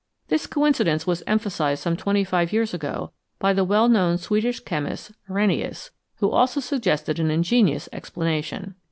This coincidence was emphasised some twenty five years ago by the well known Swedish chemist Arrhenius, who also suggested an ingenious explanation.